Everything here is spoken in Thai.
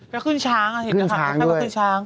เค้าขึ้นช้างอะเห็นไหมคะเค้าก็ขึ้นช้าง